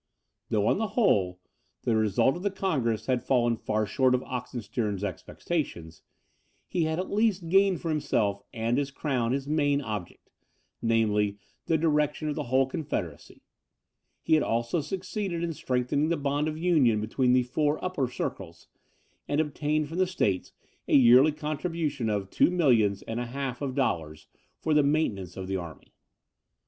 Though on the whole, the result of the congress had fallen far short of Oxenstiern's expectations, he had at least gained for himself and his crown his main object, namely, the direction of the whole confederacy; he had also succeeded in strengthening the bond of union between the four upper circles, and obtained from the states a yearly contribution of two millions and a half of dollars, for the maintenance of the army.